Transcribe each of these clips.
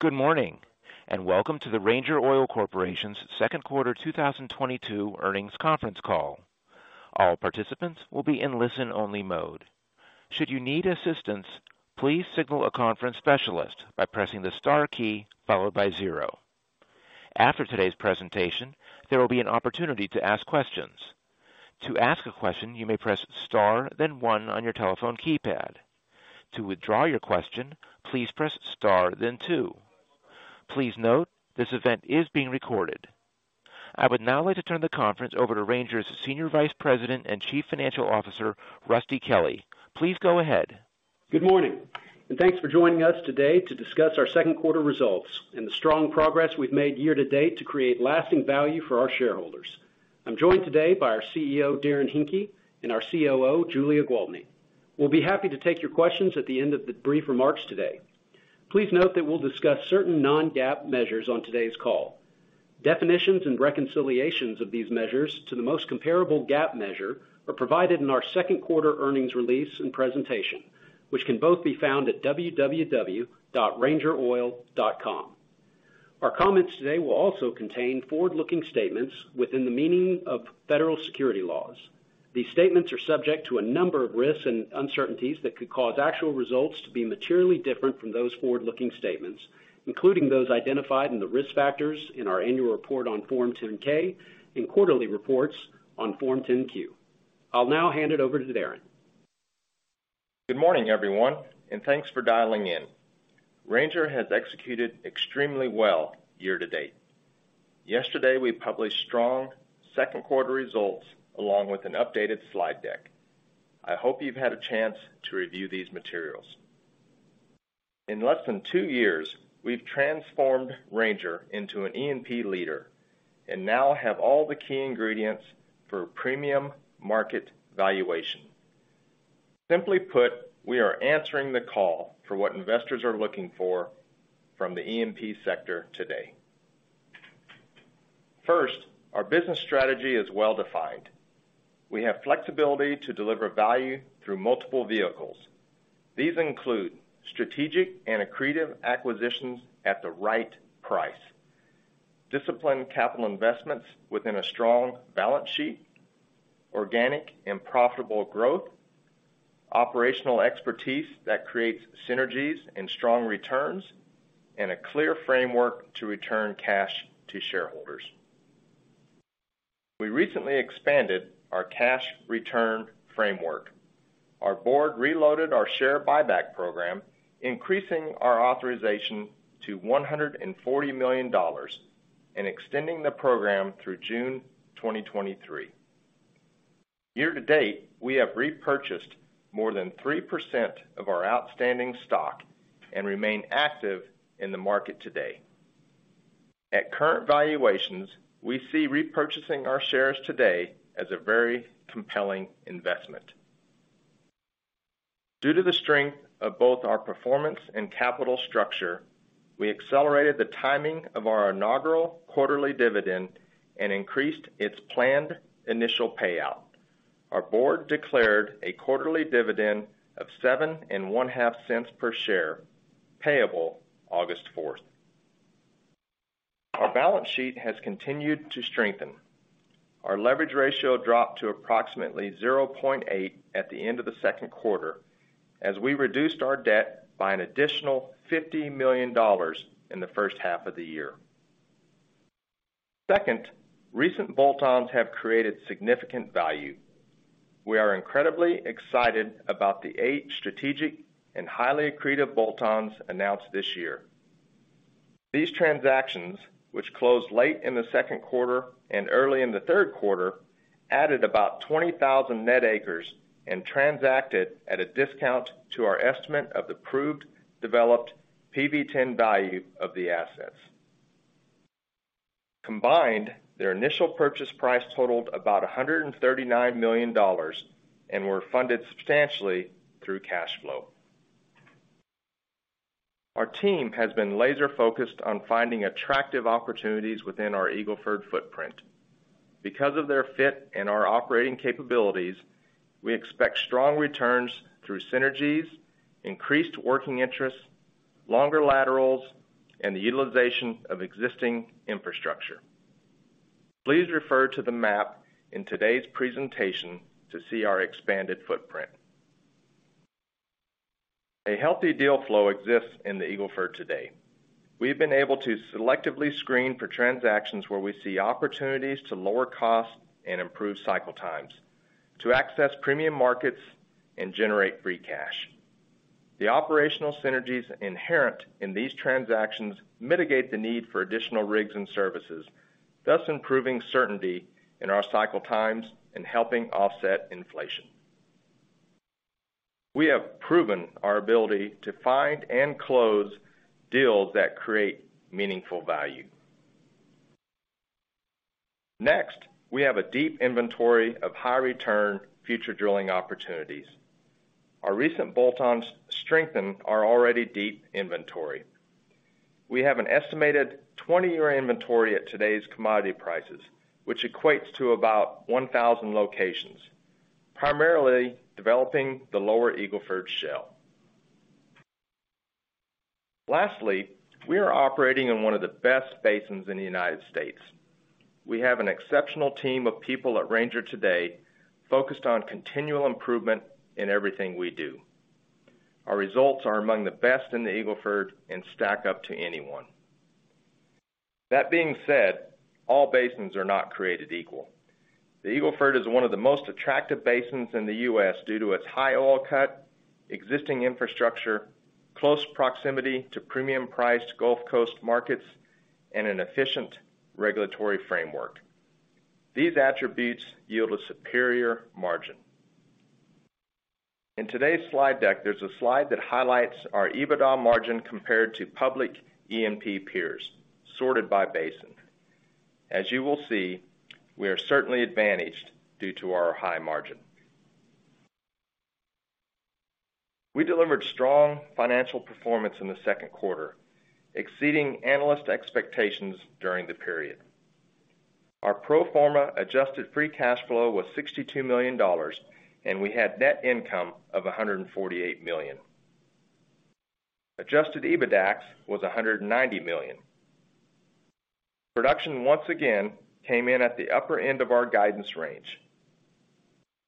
Good morning, and welcome to the Ranger Oil Corporation's Second Quarter 2022 Earnings Conference Call. All participants will be in listen-only mode. Should you need assistance, please signal a conference specialist by pressing the star key followed by zero. After today's presentation, there will be an opportunity to ask questions. To ask a question, you may press star then one on your telephone keypad. To withdraw your question, please press star then two. Please note, this event is being recorded. I would now like to turn the conference over to Ranger's Senior Vice President and Chief Financial Officer, Rusty Kelley. Please go ahead. Good morning, and thanks for joining us today to discuss our second quarter results and the strong progress we've made year-to-date to create lasting value for our shareholders. I'm joined today by our CEO, Darrin Henke, and our COO, Julia Gwaltney. We'll be happy to take your questions at the end of the brief remarks today. Please note that we'll discuss certain non-GAAP measures on today's call. Definitions and reconciliations of these measures to the most comparable GAAP measure are provided in our second quarter earnings release and presentation, which can both be found at www.rangeroil.com. Our comments today will also contain forward-looking statements within the meaning of federal securities laws. These statements are subject to a number of risks and uncertainties that could cause actual results to be materially different from those forward-looking statements, including those identified in the risk factors in our annual report on Form 10-K and quarterly reports on Form 10-Q. I'll now hand it over to Darrin. Good morning, everyone, and thanks for dialing in. Ranger has executed extremely well year-to-date. Yesterday, we published strong second quarter results along with an updated slide deck. I hope you've had a chance to review these materials. In less than two years, we've transformed Ranger into an E&P leader and now have all the key ingredients for premium market valuation. Simply put, we are answering the call for what investors are looking for from the E&P sector today. First, our business strategy is well-defined. We have flexibility to deliver value through multiple vehicles. These include strategic and accretive acquisitions at the right price, disciplined capital investments within a strong balance sheet, organic and profitable growth, operational expertise that creates synergies and strong returns, and a clear framework to return cash to shareholders. We recently expanded our cash return framework. Our board reloaded our share buyback program, increasing our authorization to $140 million and extending the program through June 2023. Year-to-date, we have repurchased more than 3% of our outstanding stock and remain active in the market today. At current valuations, we see repurchasing our shares today as a very compelling investment. Due to the strength of both our performance and capital structure, we accelerated the timing of our inaugural quarterly dividend and increased its planned initial payout. Our board declared a quarterly dividend of $0.075 per share, payable August 4th. Our balance sheet has continued to strengthen. Our leverage ratio dropped to approximately 0.8x at the end of the second quarter as we reduced our debt by an additional $50 million in the first half of the year. Second, recent bolt-ons have created significant value. We are incredibly excited about the eight strategic and highly accretive bolt-ons announced this year. These transactions, which closed late in the second quarter and early in the third quarter, added about 20,000 net acres and transacted at a discount to our estimate of the proved developed PV-10 value of the assets. Combined, their initial purchase price totaled about $139 million and were funded substantially through cash flow. Our team has been laser-focused on finding attractive opportunities within our Eagle Ford footprint. Because of their fit and our operating capabilities, we expect strong returns through synergies, increased working interest, longer laterals, and the utilization of existing infrastructure. Please refer to the map in today's presentation to see our expanded footprint. A healthy deal flow exists in the Eagle Ford today. We've been able to selectively screen for transactions where we see opportunities to lower costs and improve cycle times, to access premium markets and generate free cash. The operational synergies inherent in these transactions mitigate the need for additional rigs and services, thus improving certainty in our cycle times and helping offset inflation. We have proven our ability to find and close deals that create meaningful value. Next, we have a deep inventory of high return future drilling opportunities. Our recent bolt-ons strengthen our already deep inventory. We have an estimated 20-year inventory at today's commodity prices, which equates to about 1,000 locations. Primarily developing the lower Eagle Ford shale. Lastly, we are operating in one of the best basins in the United States. We have an exceptional team of people at Ranger today focused on continual improvement in everything we do. Our results are among the best in the Eagle Ford and stack up to anyone. That being said, all basins are not created equal. The Eagle Ford is one of the most attractive basins in the U.S. due to its high oil cut, existing infrastructure, close proximity to premium priced Gulf Coast markets, and an efficient regulatory framework. These attributes yield a superior margin. In today's slide deck, there's a slide that highlights our EBITDA margin compared to public E&P peers sorted by basin. As you will see, we are certainly advantaged due to our high margin. We delivered strong financial performance in the second quarter, exceeding analyst expectations during the period. Our pro forma adjusted free cash flow was $62 million, and we had net income of $148 million. Adjusted EBITDAX was $190 million. Production once again came in at the upper end of our guidance range.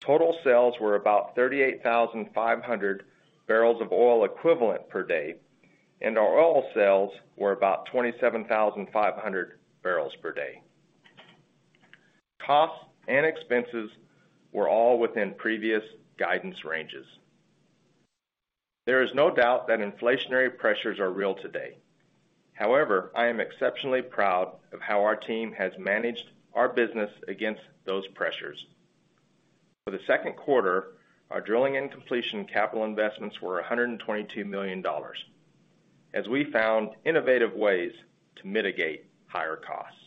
Total sales were about 38,500 barrels of oil equivalent per day, and our oil sales were about 27,500 barrels per day. Costs and expenses were all within previous guidance ranges. There is no doubt that inflationary pressures are real today. However, I am exceptionally proud of how our team has managed our business against those pressures. For the second quarter, our drilling and completion capital investments were $122 million, as we found innovative ways to mitigate higher costs.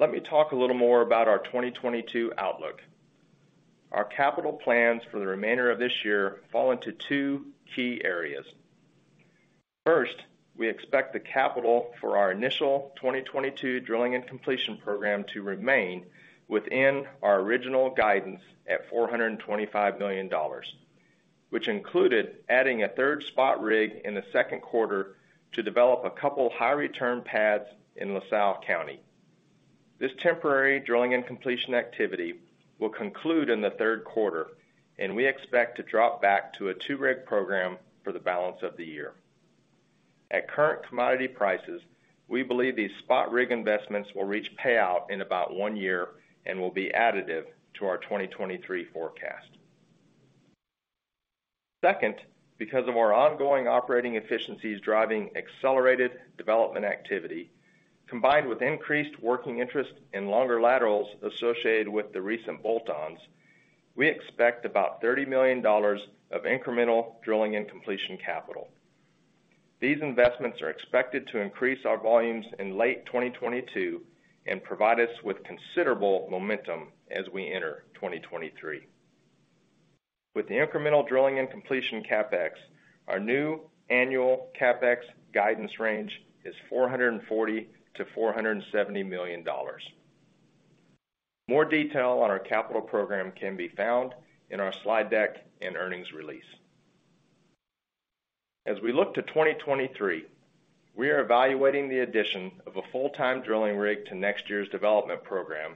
Let me talk a little more about our 2022 outlook. Our capital plans for the remainder of this year fall into two key areas. First, we expect the capital for our initial 2022 drilling and completion program to remain within our original guidance at $425 million, which included adding a third spot rig in the second quarter to develop a couple high-return pads in La Salle County. This temporary drilling and completion activity will conclude in the third quarter, and we expect to drop back to a two-rig program for the balance of the year. At current commodity prices, we believe these spot rig investments will reach payout in about one year and will be additive to our 2023 forecast. Second, because of our ongoing operating efficiencies driving accelerated development activity, combined with increased working interest in longer laterals associated with the recent bolt-ons, we expect about $30 million of incremental drilling and completion capital. These investments are expected to increase our volumes in late 2022 and provide us with considerable momentum as we enter 2023. With the incremental drilling and completion CapEx, our new annual CapEx guidance range is $440 million-$470 million. More detail on our capital program can be found in our slide deck and earnings release. As we look to 2023, we are evaluating the addition of a full-time drilling rig to next year's development program,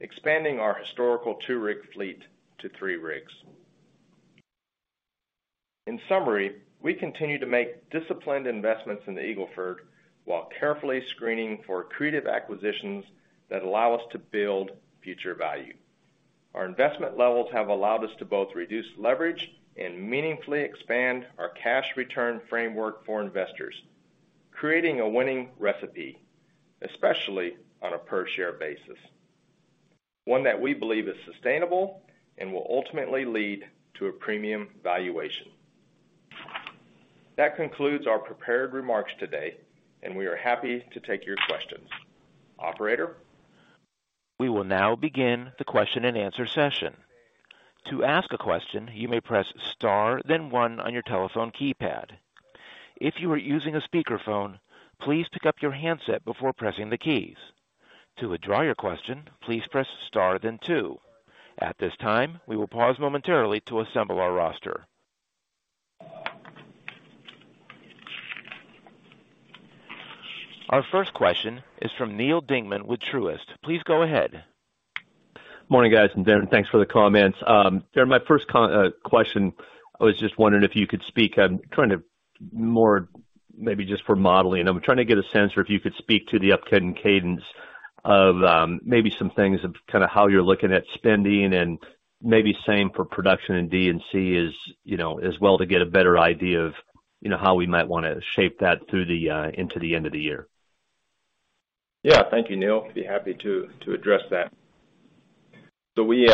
expanding our historical two-rig fleet to three rigs. In summary, we continue to make disciplined investments in the Eagle Ford while carefully screening for accretive acquisitions that allow us to build future value. Our investment levels have allowed us to both reduce leverage and meaningfully expand our cash return framework for investors, creating a winning recipe, especially on a per share basis, one that we believe is sustainable and will ultimately lead to a premium valuation. That concludes our prepared remarks today, and we are happy to take your questions. Operator? We will now begin the question-and-answer session. To ask a question, you may press star, then one on your telephone keypad. If you are using a speakerphone, please pick up your handset before pressing the keys. To withdraw your question, please press star then two. At this time, we will pause momentarily to assemble our roster. Our first question is from Neal Dingmann with Truist. Please go ahead. Morning, guys, and Darrin, thanks for the comments. Darrin, my first question, I was just wondering if you could speak on trying to more maybe just for modeling. I'm trying to get a sense or if you could speak to the upcoming cadence of, maybe some things of kind of how you're looking at spending and maybe same for production in D&C, as, you know, as well to get a better idea of, you know, how we might wanna shape that through the, into the end of the year. Yeah. Thank you, Neal. Be happy to address that. We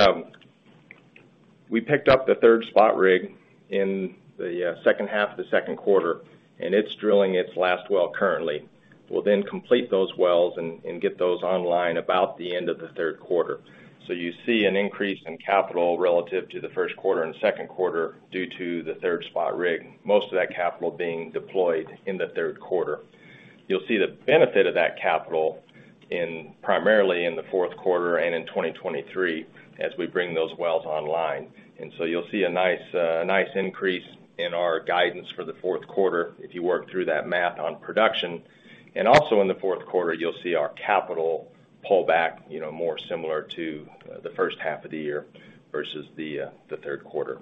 picked up the third spot rig in the second half of the second quarter, and it's drilling its last well currently. We'll then complete those wells and get those online about the end of the third quarter. You see an increase in capital relative to the first quarter and second quarter due to the third spot rig. Most of that capital being deployed in the third quarter. You'll see the benefit of that capital in primarily in the fourth quarter and in 2023 as we bring those wells online. You'll see a nice increase in our guidance for the fourth quarter if you work through that math on production. Also in the fourth quarter, you'll see our capital pull back, you know, more similar to the first half of the year versus the third quarter.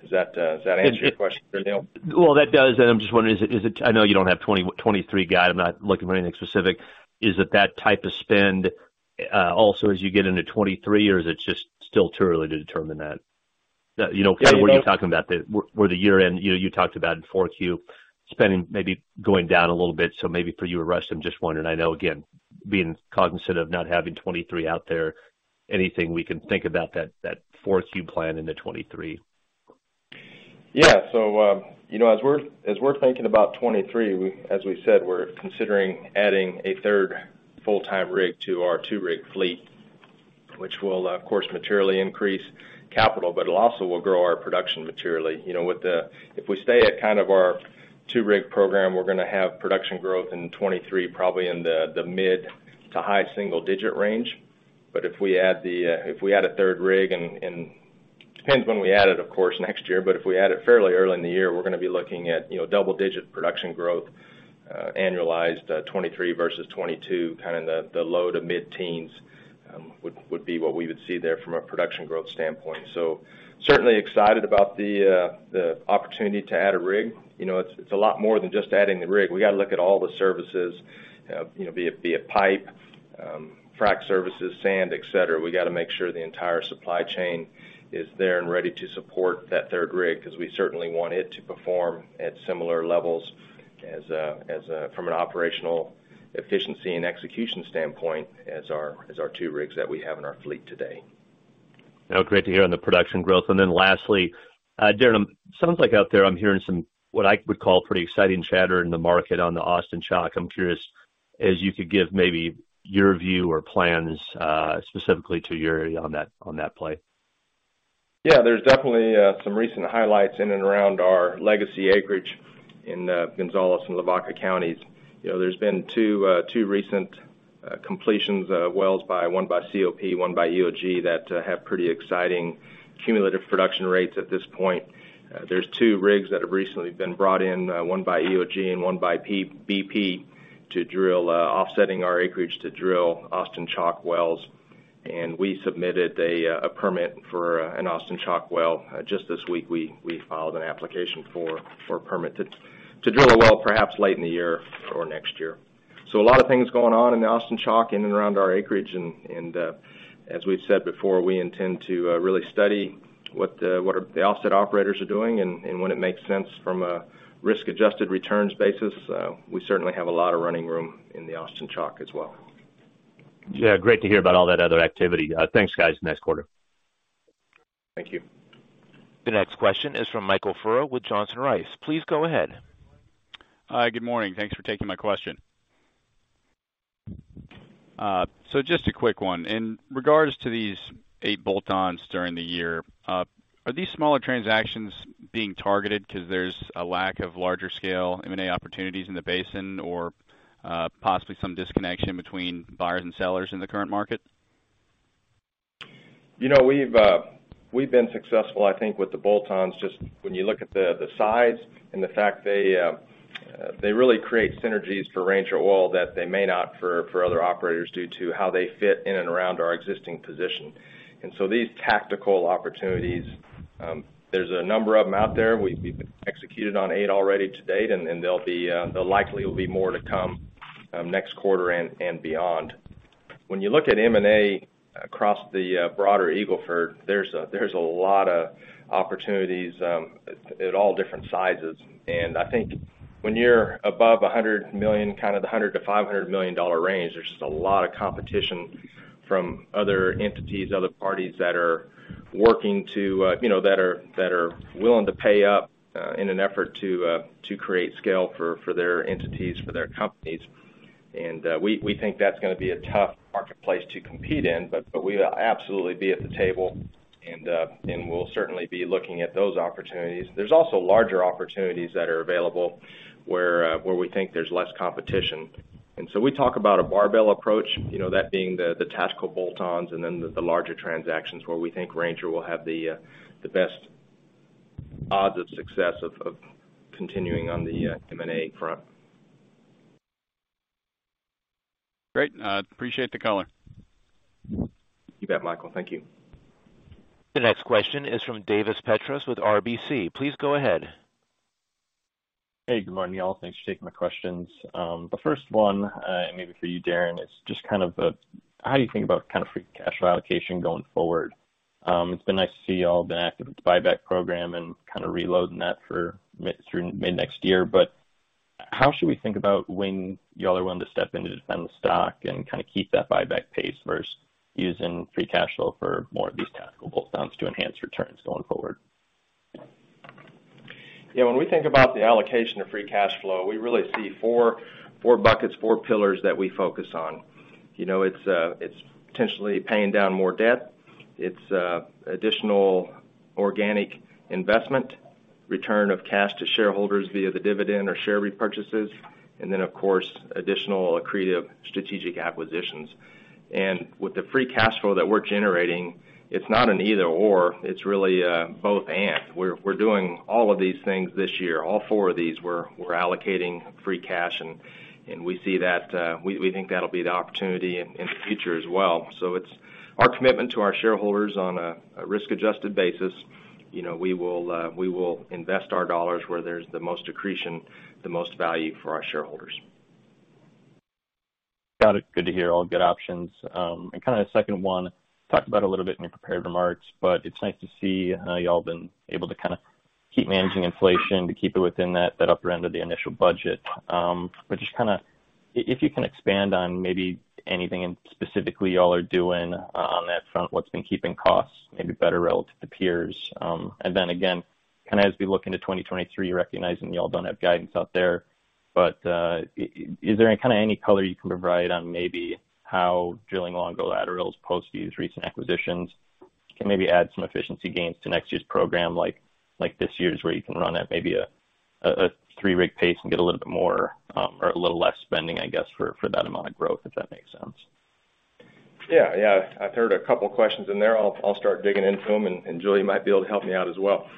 Does that answer your question, Neal? Well, that does. I'm just wondering, is it—I know you don't have 2023 guide. I'm not looking for anything specific. Is it that type of spend also as you get into 2023, or is it just still too early to determine that? You know, kind of where you're talking about the year-end you talked about in 4Q, spending maybe going down a little bit. Maybe for you or Rusty, just wondering. I know, again, being cognizant of not having 2023 out there, anything we can think about that 4Q plan into 2023. Yeah, you know, as we're thinking about 2023, as we said, we're considering adding a third full-time rig to our two-rig fleet, which will, of course, materially increase capital, but it'll also grow our production materially. You know, if we stay at kind of our two-rig program, we're gonna have production growth in 2023, probably in the mid-to-high single-digit range. If we add a third rig, and depends when we add it, of course, next year, but if we add it fairly early in the year, we're gonna be looking at, you know, double-digit production growth, annualized, 2023 versus 2022, kind of the low-to-mid teens would be what we would see there from a production growth standpoint. Certainly excited about the opportunity to add a rig. You know, it's a lot more than just adding the rig. We gotta look at all the services, you know, be it pipe, frac services, sand, et cetera. We gotta make sure the entire supply chain is there and ready to support that third rig, 'cause we certainly want it to perform at similar levels as from an operational efficiency and execution standpoint as our two rigs that we have in our fleet today. No, great to hear on the production growth. Lastly, Darrin, sounds like out there I'm hearing some, what I would call pretty exciting chatter in the market on the Austin Chalk. I'm curious if you could give maybe your view or plans, specifically to your area on that play. Yeah. There's definitely some recent highlights in and around our legacy acreage in Gonzales and Lavaca Counties. You know, there's been two recent completions of wells by one by COP, one by EOG, that have pretty exciting cumulative production rates at this point. There's two rigs that have recently been brought in one by EOG and one by BP to drill offsetting our acreage to drill Austin Chalk wells. We submitted a permit for an Austin Chalk well. Just this week, we filed an application for a permit to drill a well perhaps late in the year or next year. A lot of things going on in the Austin Chalk in and around our acreage. as we've said before, we intend to really study what the offset operators are doing and when it makes sense from a risk-adjusted returns basis. We certainly have a lot of running room in the Austin Chalk as well. Yeah, great to hear about all that other activity. Thanks, guys. Nice quarter. Thank you. The next question is from Michael Furrow with Johnson Rice. Please go ahead. Hi. Good morning. Thanks for taking my question. Just a quick one. In regards to these eight bolt-ons during the year, are these smaller transactions being targeted 'cause there's a lack of larger scale M&A opportunities in the basin or, possibly some disconnection between buyers and sellers in the current market? You know, we've been successful, I think with the bolt-ons, just when you look at the size and the fact they really create synergies for Ranger Oil that they may not for other operators due to how they fit in and around our existing position. These tactical opportunities, there's a number of them out there. We've executed on eight already to date, and there likely will be more to come next quarter and beyond. When you look at M&A across the broader Eagle Ford, there's a lot of opportunities at all different sizes. I think when you're above $100 million, kind of the $100 million-$500 million range, there's just a lot of competition from other entities, other parties that are working to, you know, that are willing to pay up, in an effort to create scale for their entities, for their companies. We think that's gonna be a tough marketplace to compete in, but we'll absolutely be at the table and we'll certainly be looking at those opportunities. There's also larger opportunities that are available where we think there's less competition. We talk about a barbell approach, you know, that being the tactical bolt-ons and then the larger transactions where we think Ranger will have the best odds of success of continuing on the M&A front. Great. Appreciate the color. You bet, Michael. Thank you. The next question is from Davis Petros with RBC. Please go ahead. Hey, good morning, y'all. Thanks for taking my questions. The first one, maybe for you, Darrin, it's just kind of a how you think about kind of free cash flow allocation going forward. It's been nice to see y'all have been active with the buyback program and kinda reloading that for mid- through mid- next year. How should we think about when y'all are willing to step in to defend the stock and kinda keep that buyback pace versus using free cash flow for more of these tactical bolt-ons to enhance returns going forward? Yeah. When we think about the allocation of free cash flow, we really see four buckets, four pillars that we focus on. You know, it's potentially paying down more debt. It's additional organic investment. Return of cash to shareholders via the dividend or share repurchases, and then of course, additional accretive strategic acquisitions. With the free cash flow that we're generating, it's not an either/or, it's really both/and. We're doing all of these things this year, all four of these. We're allocating free cash, and we see that we think that'll be the opportunity in the future as well. It's our commitment to our shareholders on a risk-adjusted basis. You know, we will invest our dollars where there's the most accretion, the most value for our shareholders. Got it. Good to hear all good options. Kinda a second one, talked about a little bit in your prepared remarks, but it's nice to see how y'all been able to kinda keep managing inflation, to keep it within that upper end of the initial budget. Just kinda if you can expand on maybe anything specifically y'all are doing on that front, what's been keeping costs maybe better relative to peers. Again, kind of as we look into 2023, recognizing y'all don't have guidance out there, but, is there any kind of color you can provide on maybe how drilling longer laterals post these recent acquisitions can maybe add some efficiency gains to next year's program, like this year's, where you can run at maybe a three rig pace and get a little bit more, or a little less spending, I guess, for that amount of growth, if that makes sense? Yeah. I've heard a couple questions in there. I'll start digging into them and Julia might be able to help me out as well.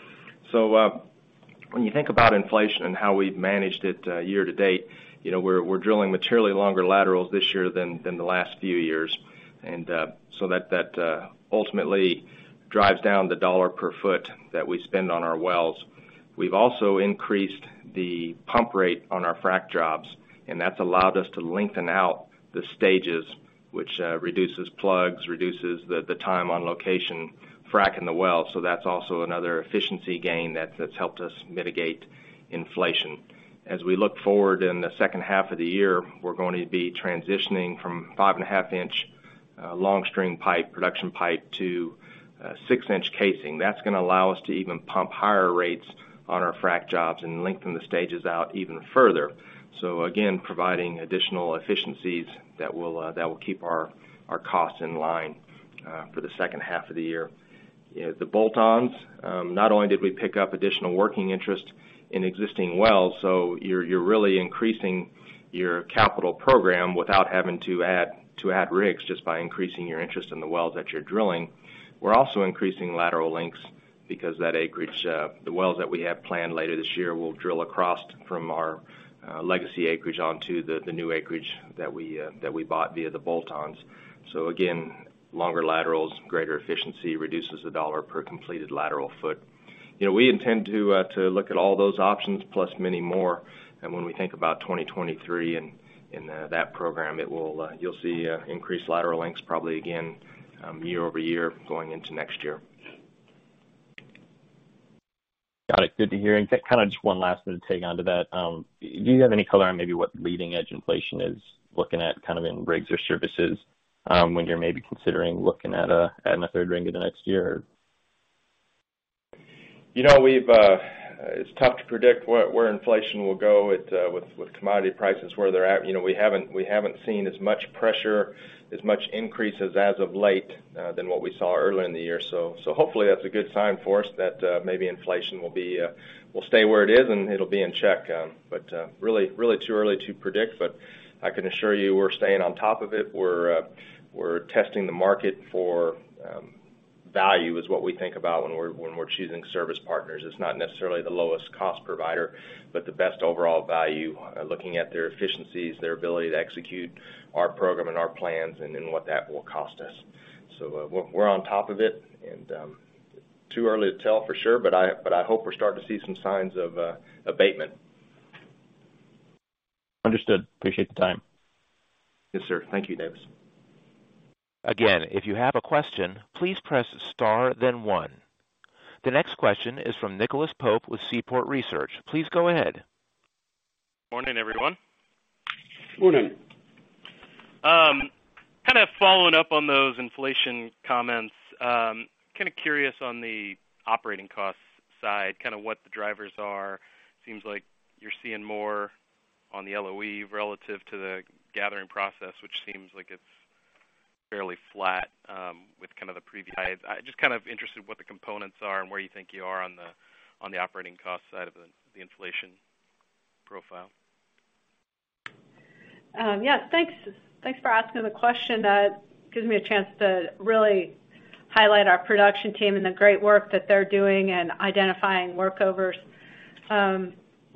When you think about inflation and how we've managed it year-to-date, you know, we're drilling materially longer laterals this year than the last few years. That ultimately drives down the $ per foot that we spend on our wells. We've also increased the pump rate on our frack jobs, and that's allowed us to lengthen out the stages, which reduces plugs, reduces the time on location fracking the well. That's also another efficiency gain that's helped us mitigate inflation. As we look forward in the second half of the year, we're going to be transitioning from 5.5 in long string pipe, production pipe to a 6 in casing. That's gonna allow us to even pump higher rates on our frack jobs and lengthen the stages out even further. Again, providing additional efficiencies that will keep our costs in line for the second half of the year. The bolt-ons not only did we pick up additional working interest in existing wells, so you're really increasing your capital program without having to add rigs just by increasing your interest in the wells that you're drilling. We're also increasing lateral lengths because that acreage, the wells that we have planned later this year will drill across from our, legacy acreage onto the new acreage that we bought via the bolt-ons. So again, longer laterals, greater efficiency, reduces the dollar per completed lateral foot. You know, we intend to look at all those options plus many more. When we think about 2023 and that program, it will, you'll see increased lateral lengths probably again year-over-year going into next year. Got it. Good to hear. Kind of just one last thing to tag on to that. Do you have any color on maybe what leading edge inflation is looking at kind of in rigs or services, when you're maybe considering looking at a third rig in the next year? You know, it's tough to predict where inflation will go with commodity prices where they're at. You know, we haven't seen as much pressure, as much increases as of late than what we saw earlier in the year. Hopefully that's a good sign for us that maybe inflation will stay where it is, and it'll be in check. Really too early to predict, but I can assure you we're staying on top of it. We're testing the market for value is what we think about when we're choosing service partners. It's not necessarily the lowest cost provider, but the best overall value, looking at their efficiencies, their ability to execute our program and our plans and then what that will cost us. We're on top of it. Too early to tell for sure, but I hope we're starting to see some signs of abatement. Understood. Appreciate the time. Yes, sir. Thank you, Davis. Again, if you have a question, please press star then one. The next question is from Nicholas Pope with Seaport Research. Please go ahead. Morning, everyone. Morning. Kinda following up on those inflation comments, kinda curious on the operating cost side, kinda what the drivers are. Seems like you're seeing more on the LOE relative to the gathering process, which seems like it's fairly flat, with kind of the previous highs. Just kind of interested what the components are and where you think you are on the operating cost side of the inflation profile. Yes. Thanks for asking the question. That gives me a chance to really highlight our production team and the great work that they're doing in identifying workovers.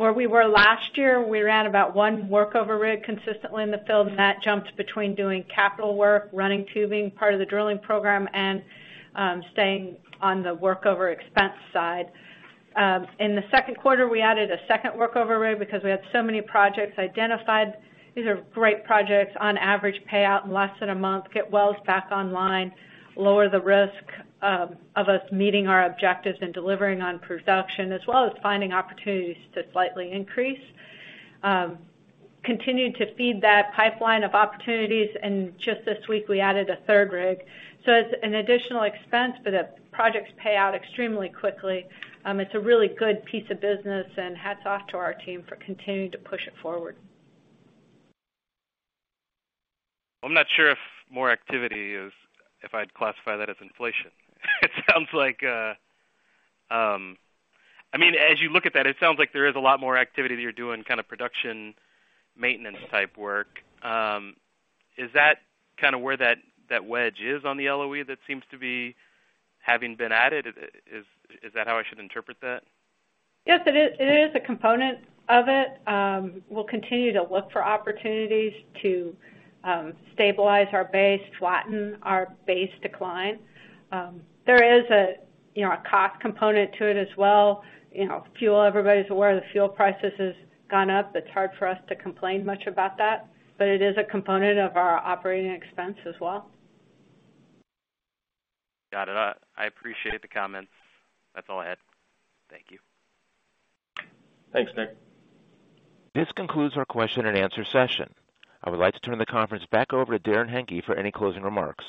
Where we were last year, we ran about one workover rig consistently in the field, and that jumped between doing capital work, running tubing, part of the drilling program, and staying on the workover expense side. In the second quarter, we added a second workover rig because we had so many projects identified. These are great projects, on average payout in less than a month, get wells back online, lower the risk of us meeting our objectives and delivering on production, as well as finding opportunities to slightly increase. Continued to feed that pipeline of opportunities, and just this week we added a third rig. It's an additional expense, but the projects pay out extremely quickly. It's a really good piece of business, and hats off to our team for continuing to push it forward. I'm not sure if I'd classify that as inflation. It sounds like I mean, as you look at that, it sounds like there is a lot more activity that you're doing, kinda production maintenance type work. Is that kinda where that wedge is on the LOE that seems to be having been added? Is that how I should interpret that? Yes, it is, it is a component of it. We'll continue to look for opportunities to stabilize our base, flatten our base decline. There is, you know, a cost component to it as well. You know, fuel, everybody's aware the fuel prices has gone up. It's hard for us to complain much about that, but it is a component of our operating expense as well. Got it. I appreciate the comments. That's all I had. Thank you. Thanks, Nick. This concludes our question-and-answer session. I would like to turn the conference back over to Darrin Henke for any closing remarks.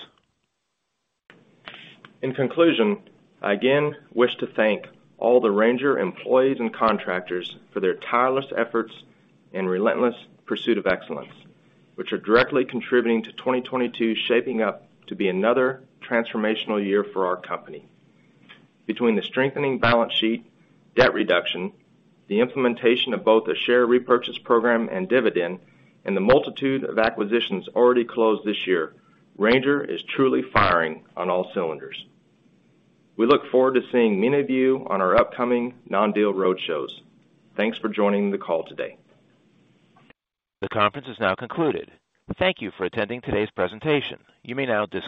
In conclusion, I again wish to thank all the Ranger employees and contractors for their tireless efforts and relentless pursuit of excellence, which are directly contributing to 2022 shaping up to be another transformational year for our company. Between the strengthening balance sheet, debt reduction, the implementation of both a share repurchase program and dividend, and the multitude of acquisitions already closed this year, Ranger is truly firing on all cylinders. We look forward to seeing many of you on our upcoming non-deal roadshows. Thanks for joining the call today. The conference is now concluded. Thank you for attending today's presentation. You may now disconnect.